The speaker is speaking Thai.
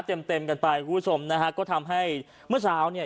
เต็มเต็มกันไปคุณผู้ชมนะฮะก็ทำให้เมื่อเช้าเนี่ย